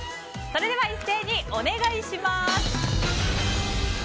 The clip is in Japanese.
それでは一斉にお願いします。